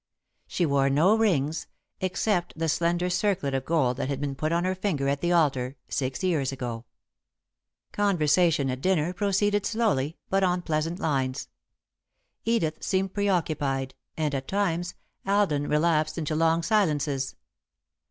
She wore no rings, except the slender circlet of gold that had been put on her finger at the altar, six years ago. [Sidenote: A Sense of Foreboding] Conversation at dinner proceeded slowly, but on pleasant lines. Edith seemed preoccupied, and, at times, Alden relapsed into long silences.